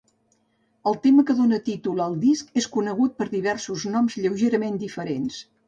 El tema que dóna títol al disc és conegut per diversos noms lleugerament diferents.